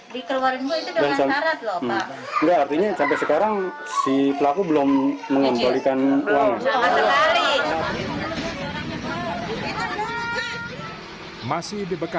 dikeluarin itu dengan syarat lho pak